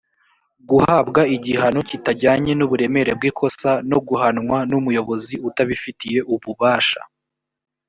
guhabwa igihano kitajyanye n uburemere bw ikosa no guhanwa n umuyobozi utabifitiye ububasha